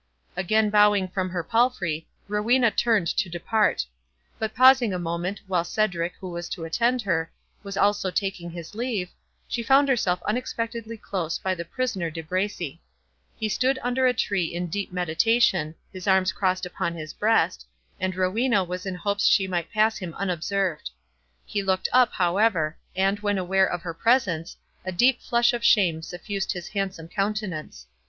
Again bowing from her palfrey, Rowena turned to depart; but pausing a moment, while Cedric, who was to attend her, was also taking his leave, she found herself unexpectedly close by the prisoner De Bracy. He stood under a tree in deep meditation, his arms crossed upon his breast, and Rowena was in hopes she might pass him unobserved. He looked up, however, and, when aware of her presence, a deep flush of shame suffused his handsome countenance.